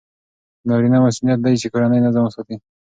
د نارینه مسئولیت دی چې کورنی نظم وساتي.